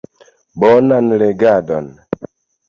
Bonan legadon.